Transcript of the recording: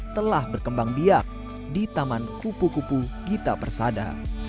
telah berkembang biak di taman kupu kupu gita persada